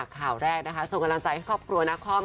ข่าวแรกส่งกำลังใจให้ครอบครัวนักคล่อม